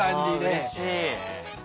あうれしい。